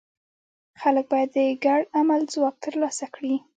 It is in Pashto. خلک باید د ګډ عمل ځواک ترلاسه کړي.